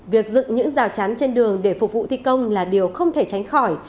việc dựng những rào chắn trên đường để phục vụ thi công là điều không thể tránh khỏi